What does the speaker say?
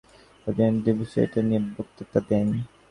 তিনি কাউন্সিলে ভারতীয়দের প্রতিনিধিত্বের বিষয়টি নিয়ে বক্তৃতা দেন।